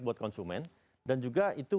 buat konsumen dan juga itu